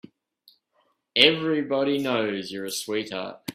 Everybody knows you're a sweetheart.